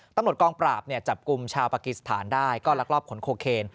ตำรวจกองปราบจับกลุ่มชาวปากีสถานได้ก็ลักลอบขนโคเคน